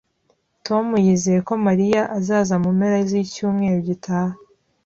Tom yizeye ko Mariya azaza mu mpera z'icyumweru gitaha